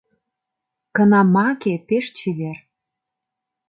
- Кына маке пеш чевер.